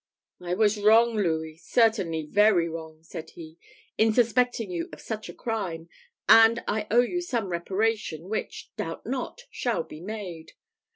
"I was wrong, Louis, certainly very wrong," said he, "in suspecting you of such a crime, and I owe you some reparation, which, doubt not, shall be made.